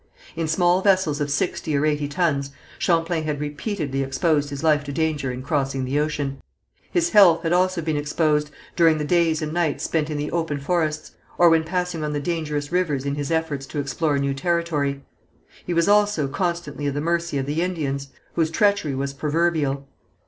In small vessels of sixty or eighty tons, Champlain had repeatedly exposed his life to danger in crossing the ocean. His health had also been exposed during the days and nights spent in the open forests, or when passing on the dangerous rivers in his efforts to explore new territory. He was also constantly at the mercy of the Indians, whose treachery was proverbial.